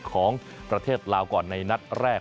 ของประเทศลาวก่อนในนัดแรก